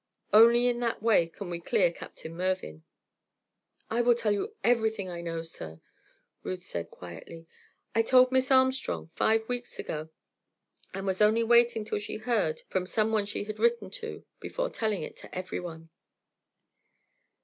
Only in that way can we clear Captain Mervyn." "I will tell you everything I know, sir," Ruth said, quietly; "I told Miss Armstrong five weeks ago, and was only waiting till she heard from some one she has written to before telling it to every one."